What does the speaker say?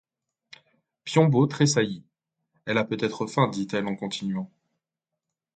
Piombo tressaillit. — Elle a peut-être faim, dit-elle en continuant.